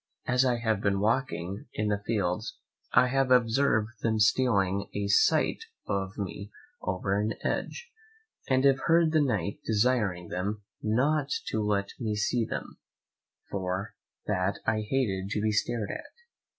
As I have been walking in his fields I have observed them stealing a sight of me over an hedge, and have heard the Knight desiring them not to let me see them, for that I hated to be stared at.